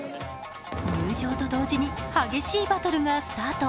入場と同時に、激しいバトルがスタート。